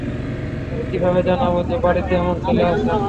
আমি কীভাবে জানবো যে, বাড়িতে এমন ছেলে আছে?